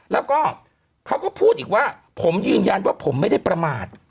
แล้วก็เขาก็พูดอีกว่าผมยืนยันว่าผมไม่ได้ประมาท